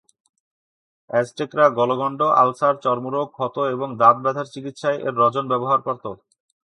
অ্যাজটেকরা গলগন্ড, আলসার, চর্মরোগ, ক্ষত এবং দাঁত ব্যথার চিকিৎসায় এর রজন ব্যবহার করত।